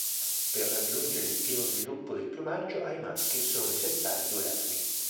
Per raggiungere il pieno sviluppo del piumaggio, ai maschi sono necessari due anni.